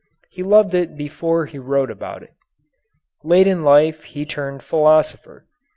He loved it before he wrote about it. Late in life he turned philosopher.